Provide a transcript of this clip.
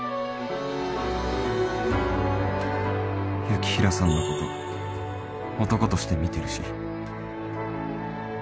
雪平さんのこと男として見てるし